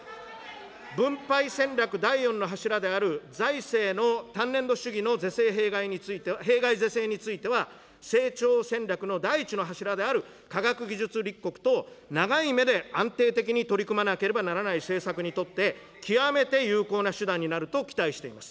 分配戦略第４の柱である財政の単年度主義の弊害是正については、成長戦略の第１の柱である科学技術立国等長い目で安定的に取り組まなければならない政策にとって、極めて有効な手段になると期待しています。